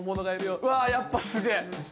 うわやっぱすげぇ。